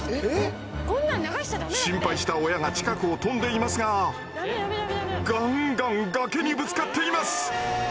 心配した親が近くを飛んでいますがガンガン崖にぶつかっています！